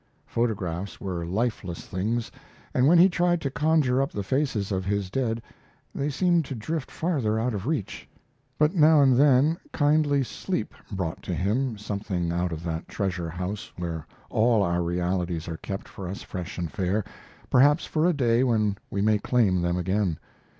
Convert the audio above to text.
Photographs were lifeless things, and when he tried to conjure up the faces of his dead they seemed to drift farther out of reach; but now and then kindly sleep brought to him something out of that treasure house where all our realities are kept for us fresh and fair, perhaps for a day when we may claim them again.